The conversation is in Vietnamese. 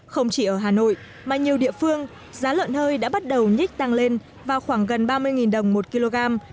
không chỉ ở hà nội mà nhiều địa phương giá lợn hơi đã bắt đầu nhích tăng lên vào khoảng gần ba mươi đồng một kg